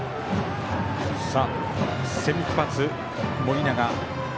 先発、盛永